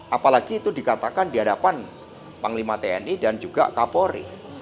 apalagi itu dikatakan di hadapan panglima tni dan juga kapolri